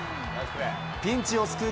ピンチを救う